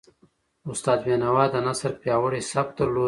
استاد بینوا د نثر پیاوړی سبک درلود.